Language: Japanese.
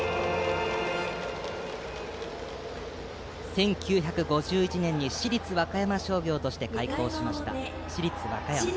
１９５１年に市立和歌山商業として開校した市立和歌山。